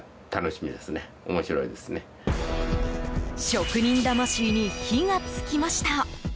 職人魂に火が付きました。